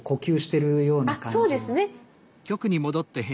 あっそうですね。